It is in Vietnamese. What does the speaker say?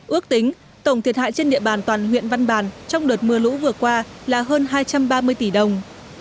ước tính tổng thiệt hại trên địa bàn toàn huyện văn bàn trong đợt mưa lũ vừa qua là hơn hai trăm ba mươi tỷ đồng